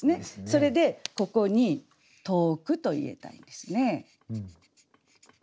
それでここに「遠く」と入れたいんですね。